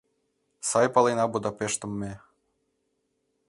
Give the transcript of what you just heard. Сай палена Будапештым ме